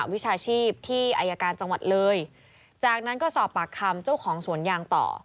วิชาชีพที่อายการจังหวัดเลยจากนั้นก็สอบปากคำเจ้าของสวนยางต่อ